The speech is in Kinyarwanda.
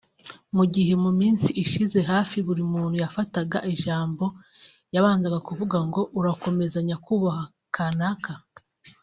Mu gihe mu minsi ishize hafi buri muntu yafataga ijambo yabanzaga kuvuga ngo urakomeza nyakubahwa kanaka